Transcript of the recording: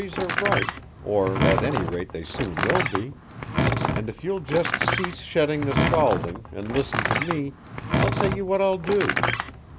Cherries are ripe, or at any rate they soon will be; and if you'll just cease shedding the scalding and listen to me, I'll tell you what I'll do.